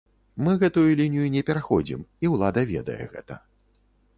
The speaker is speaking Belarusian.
Мы гэтую лінію не пераходзім і ўлада ведае гэта.